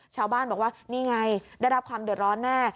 ชาวบ้านบอกว่านี่ไงได้รับความเดือดร้อนแน่